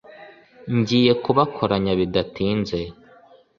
ngiye kubakoranya bidatinze,